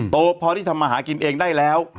โตพอที่ทำมาหากินเองได้แล้ว